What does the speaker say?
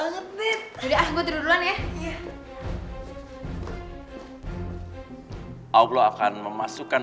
nita banyak banget nita